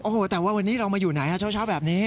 โอ้โหแต่ว่าวันนี้เรามาอยู่ไหนฮะเช้าแบบนี้